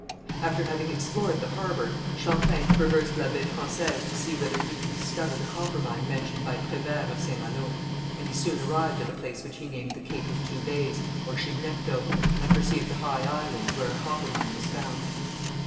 After having explored the harbour, Champlain traversed La Baie Française to see whether he could discover the copper mine mentioned by Prévert of St. Malo, and he soon arrived at a place which he named the Cape of Two Bays, or Chignecto, and perceived the High Islands, where a copper mine was found.